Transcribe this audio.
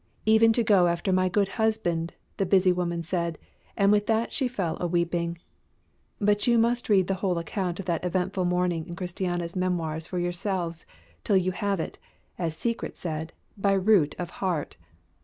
"Even to go after my good husband," the busy woman said, and with that she fell a weeping. But you must read the whole account of that eventful morning in Christiana's memoirs for yourselves till you have it, as Secret said, by root of heart.